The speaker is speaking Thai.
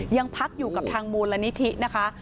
ยังพักอยู่กับทางมูลนิธินะคะ